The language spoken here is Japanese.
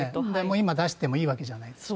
今出してもいいわけじゃないですか。